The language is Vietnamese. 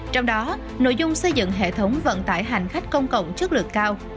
trong đó nội dung xây dựng hệ thống vận tải hành khách công cộng chất lượng cao